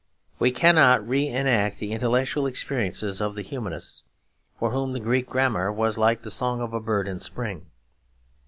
We cannot re enact the intellectual experiences of the Humanists, for whom the Greek grammar was like the song of a bird in spring.